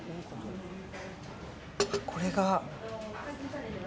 これが。